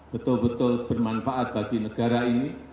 betul betul bermanfaat bagi negara ini